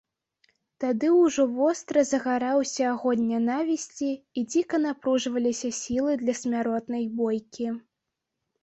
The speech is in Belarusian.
Тады ўжо востра загараўся агонь нянавісці і дзіка напружваліся сілы для смяротнай бойкі.